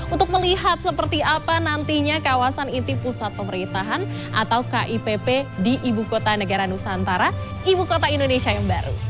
untuk melihat seperti apa nantinya kawasan inti pusat pemerintahan atau kipp di ibu kota negara nusantara ibu kota indonesia yang baru